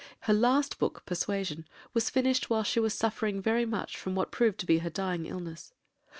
Her last book, Persuasion, was finished while she was suffering very much from what proved to be her dying illness.